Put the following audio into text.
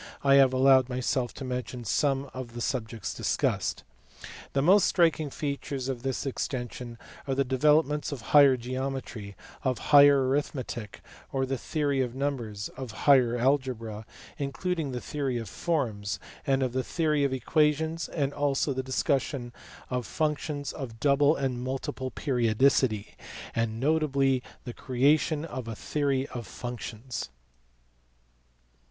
I have allowed myself to mention some of the subjects discussed. The most striking features of this extension are the developments of higher geometry, of higher arithmetic or the theory of numbers, of higher algebra (including the theory of forms), and of the theory of equations, also the discussion of functions of double and multiple periodicity, and notably the creation of a theory of functions.